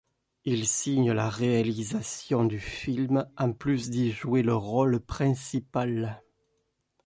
Il signe la réalisation du film en plus d'y jouer le rôle principal.